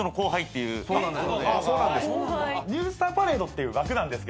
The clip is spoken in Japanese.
ニュースターパレードっていう枠なんですけど。